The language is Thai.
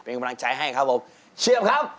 เป็นกำลังใจให้ครับครับเชียบครับ